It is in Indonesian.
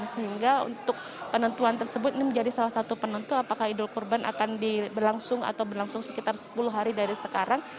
sehingga untuk penentuan tersebut ini menjadi salah satu penentu apakah idul kurban akan berlangsung atau berlangsung sekitar sepuluh hari dari sekarang